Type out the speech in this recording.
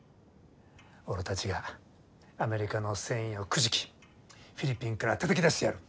俺たちがアメリカの戦意をくじきフィリピンからたたき出してやる！